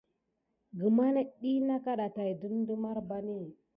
Guma net dik na kaɗa tät didine marbani.